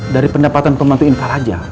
dari pendapatan pembantu income aja